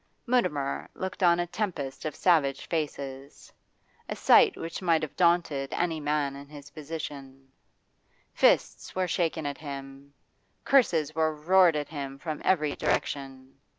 Mutimer looked on a tempest of savage faces a sight which might have daunted any man in his position. Fists were shaken at him, curses were roared at him from every direction.